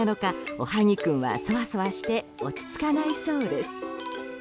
おはぎ君は、そわそわして落ち着かないそうです。